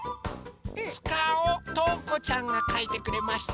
ふかおとうこちゃんがかいてくれました。